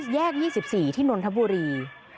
แยก๒๔ที่นนทบุรี